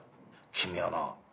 「君はな